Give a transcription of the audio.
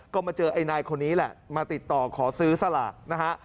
ก็มาเจอไอ้นายคนนี้แหละมาติดต่อขอซื้อสลากนะฮะ